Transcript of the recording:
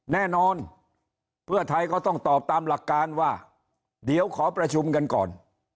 แน่นอนเพื่อไทยก็ต้องตอบตามหลักการว่าเดี๋ยวขอประชุมกันก่อน